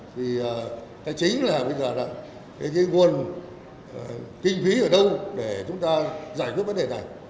thì cái chính là cái nguồn kinh phí ở đâu để chúng ta giải quyết vấn đề này